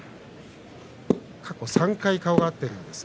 過去３回、顔が合っています。